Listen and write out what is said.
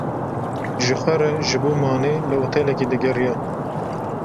Ji xwe re ji bo manê li otelekê digeriya.